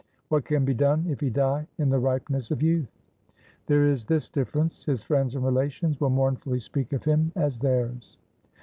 What can be done if he die in the ripeness of youth ? There is this difference — his friends and relations will mournfully speak of him as theirs.